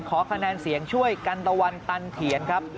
ขอคะแนนเสียงช่วยกันตะวันตันเถียนครับ